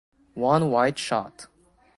One wide shot.